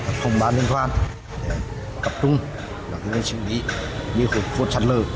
không bán liên toàn tập trung vào những xử lý như khu sát lở